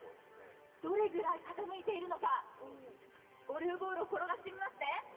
どれぐらい傾いているのかゴルフボールを転がしてみます。